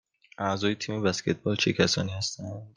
اعضای تیم بسکتبال چه کسانی هستند؟